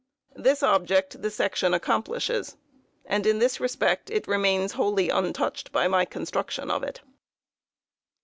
This object the section accomplishes, and in this respect it remains wholly untouched, by my construction of it.